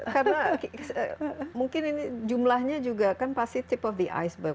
karena mungkin jumlahnya juga kan pasti tip of the iceberg